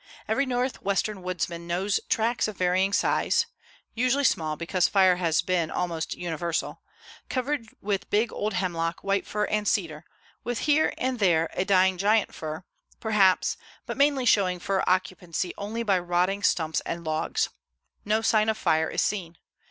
Every Northwestern woodsman knows tracts of varying size (usually small because fire has been almost universal) covered with big old hemlock, white fir and cedar, with here and there a dying giant fir, perhaps, but mainly showing fir occupancy only by rotting stumps and logs. No sign of fire is seen.